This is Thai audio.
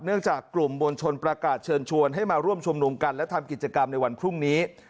จากกลุ่มมวลชนประกาศเชิญชวนให้มาร่วมชุมนุมกันและทำกิจกรรมในวันพรุ่งนี้